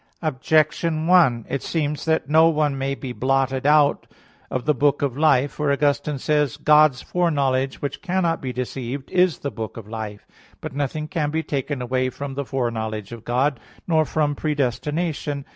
Objection 1: It seems that no one may be blotted out of the book of life. For Augustine says (De Civ. Dei xx, 15): "God's foreknowledge, which cannot be deceived, is the book of life." But nothing can be taken away from the foreknowledge of God, nor from predestination.